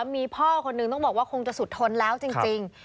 มีพ่อคนนึงต้องบอกว่าคงจะสุดทนแล้วจริง